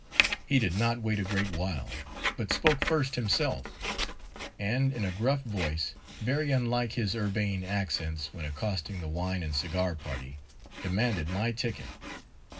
He did not wait a great while, but spoke first himself; and in a gruff voice, very unlike his urbane accents when accosting the wine and cigar party, demanded my ticket.